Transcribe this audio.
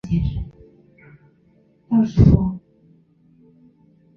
须鲸科被认为早在渐新世中期就和须鲸亚目的其他科分离。